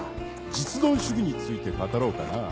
実存主義について語ろうかなぁ。